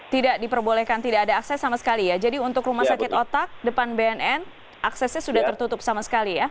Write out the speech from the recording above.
tidak diperbolehkan tidak ada akses sama sekali ya jadi untuk rumah sakit otak depan bnn aksesnya sudah tertutup sama sekali ya